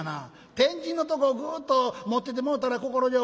天神のとこをグーッと持っててもうたら心丈夫で」。